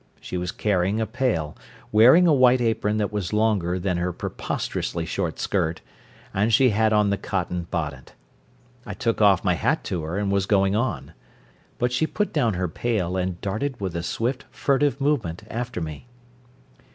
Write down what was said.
She was carrying a pail, wearing a white apron that was longer than her preposterously short skirt, and she had on the cotton bonnet. I took off my hat to her and was going on. But she put down her pail and darted with a swift, furtive movement after me.